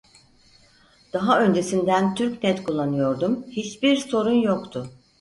Daha öncesinden Türknet kullanıyordum hiç bir sorun yoktu